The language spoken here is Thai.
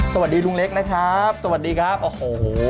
สวัสดีลุงเล็กนะครับสวัสดีครับโอ้โห